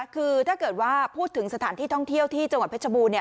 คือถ้าเกิดว่าพูดถึงสถานที่ท่องเที่ยวที่จังหวัดเพชรบูรณ